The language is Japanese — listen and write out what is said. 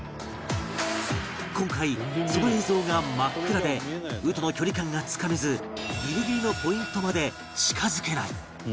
今回その映像が真っ暗で鵜との距離感がつかめずギリギリのポイントまで近づけない